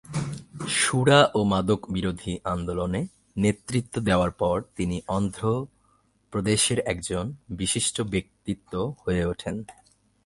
সুরা ও মাদক বিরোধী আন্দোলনে নেতৃত্ব দেওয়ার পর তিনি অন্ধ্রপ্রদেশের একজন বিশিষ্ট ব্যক্তিত্ব হয়ে ওঠেন।